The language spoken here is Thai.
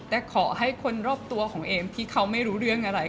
แต่ขอให้คนรอบตัวของเอมที่เขาไม่รู้เรื่องอะไร